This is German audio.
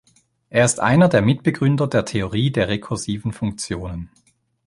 Er ist einer der Mitbegründer der Theorie der rekursiven Funktionen.